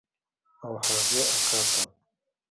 او هغې اکا ته.